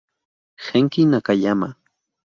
Genki Nakayama